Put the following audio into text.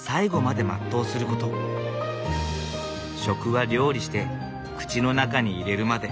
食は料理して口の中に入れるまで。